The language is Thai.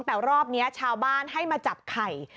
แต่รอบนี้ชาวบ้านให้มาจับไข่